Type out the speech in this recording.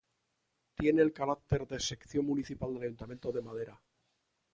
Tiene el carácter de sección municipal del ayuntamiento de Madera.